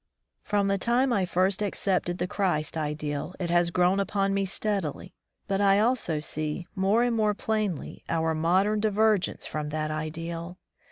From the time I first accepted the Christ ideal it has grown upon me steadily, but I also see more and more plainly our modem divergence from that ideal.